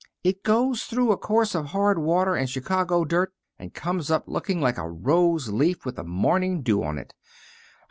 It goes through a course of hard water and Chicago dirt and comes up looking like a rose leaf with the morning dew on it.